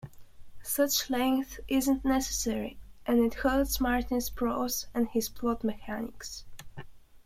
Such length isn't necessary, and it hurts Martin's prose and his plot mechanics.